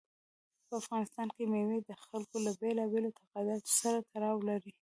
په افغانستان کې مېوې د خلکو له بېلابېلو اعتقاداتو سره تړاو لري.